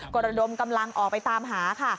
ก็ระดมกำลังออกไปตามหาค่ะ